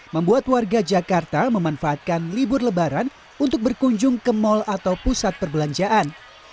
membuat warga jakarta memanfaatkan libur lebaran untuk berkunjung ke mal atau pusat perbelanjaan